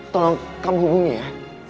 tolong kamu hubungi ya